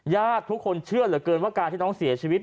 ญาติทุกคนเชื่อเหลือเกินว่าการที่น้องเสียชีวิต